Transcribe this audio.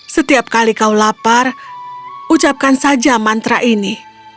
setiap kali kau lapar ucapkan saja mantra ini